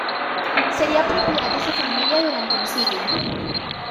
Sería propiedad de su familia durante un siglo.